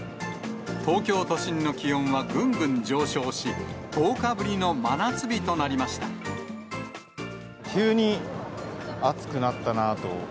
東京都心の気温はぐんぐん上昇し、急に暑くなったなと。